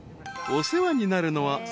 ［お世話になるのは］